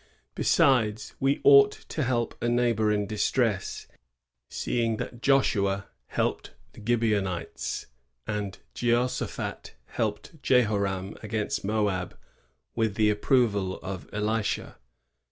Besides, we ought to help a neighbor in diatress, seeing that Joshua helped the Gibeonites, and Jehoshaphat helped Jehoram against Moab with the approval of Elisha.